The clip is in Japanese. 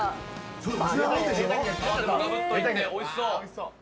・おいしそう。